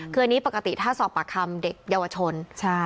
คืออันนี้ปกติถ้าสอบปากคำเด็กเยาวชน